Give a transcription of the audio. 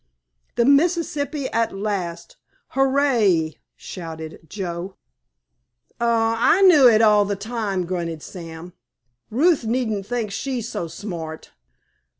"The Mississippi at last—hurray!" shouted Joe. "Huh, I knew it all the time," grunted Sam. "Ruth needn't think she's so smart.